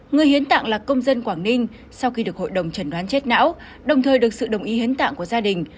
người hiến tạng là công dân quảng ninh sau khi được hội đồng trần đoán chết não đồng thời được sự đồng ý hiến tạng của gia đình